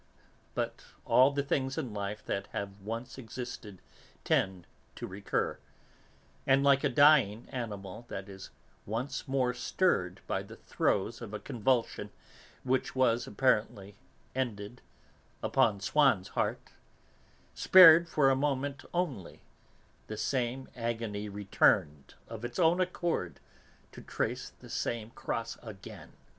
But all the things in life that have once existed tend to recur, and, like a dying animal that is once more stirred by the throes of a convulsion which was, apparently, ended, upon Swann's heart, spared for a moment only, the same agony returned of its own accord to trace the same cross again.